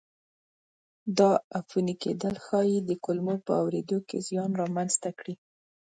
دا عفوني کېدل ښایي د کلمو په اورېدو کې زیان را منځته کړي.